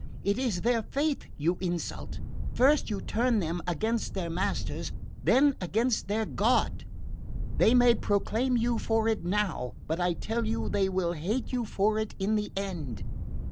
It is their faith you insult. First you turn them against their masters, then against their God. They may acclaim you for it now but I tell you they will hate you for it in the end!"